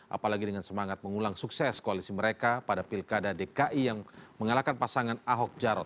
apalagi dengan semangat mengulang sukses koalisi mereka pada pilkada dki yang mengalahkan pasangan ahok jarot